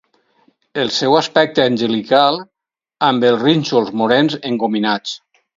El seu aspecte angelical, amb els rínxols morens engominats...